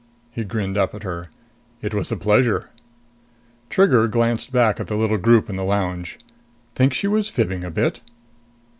He grinned up at her. "It was a pleasure." Trigger glanced back at the little group in the lounge. "Think she was fibbing a bit?"